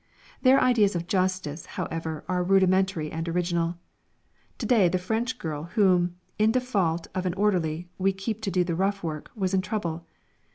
Their ideas of justice, however, are rudimentary and original. To day the French girl whom, in default of an orderly, we keep to do the rough work, was in trouble.